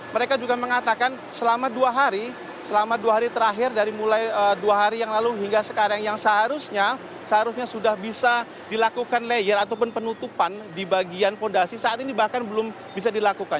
mereka juga mengatakan selama dua hari selama dua hari terakhir dari mulai dua hari yang lalu hingga sekarang yang seharusnya seharusnya sudah bisa dilakukan layer ataupun penutupan di bagian fondasi saat ini bahkan belum bisa dilakukan